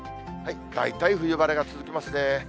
大体冬晴れが続きますね。